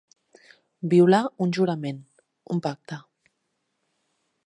Violar un jurament, un pacte.